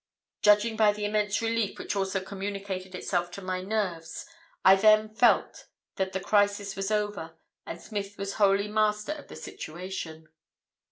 "Judging by the immense relief which also communicated itself to my nerves I then felt that the crisis was over and Smith was wholly master of the situation.